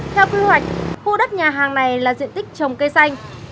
theo quy hoạch khu đất nhà hàng này là diện tích trồng cây xanh